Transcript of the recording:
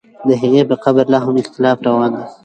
د هغې په قبر لا هم اختلاف روان دی.